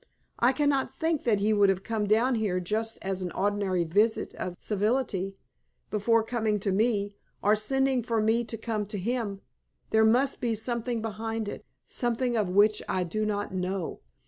I cannot think that he would have come down here just as an ordinary visit of civility before coming to me, or sending for me to come to him. There must be something behind it something of which I do not know."